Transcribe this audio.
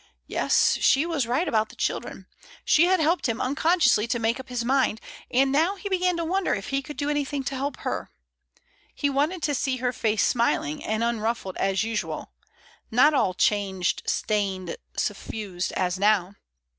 Yes, she was right about the children. She had helped him unconsciously to make up his mind, and he now began to wonder if he could do anything to help her. ... He wanted to see her face smiling and unruffled as usual, not all changed, stained, suffused as now.